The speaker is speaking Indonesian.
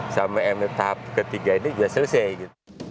sampai mef tahap ketiga ini sudah selesai